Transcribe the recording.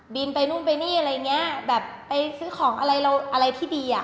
ไปนู่นไปนี่อะไรอย่างเงี้ยแบบไปซื้อของอะไรเราอะไรที่ดีอ่ะ